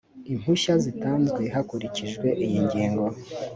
impushya zitanzwe hakurikijwe iyi ngingo